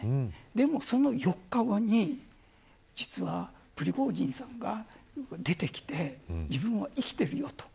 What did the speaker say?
でも、その４日後に実はプリゴジンさんが出てきて自分は生きているよと。